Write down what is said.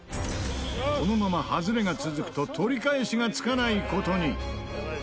このままハズレが続くと取り返しがつかない事に。